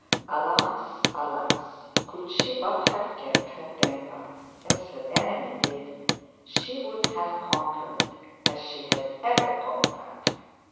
Alas, alas! could she but have kept her temper as her enemy did, she would have conquered as she had ever conquered.